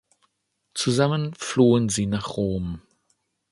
Zusammen flohen sie nach Rom.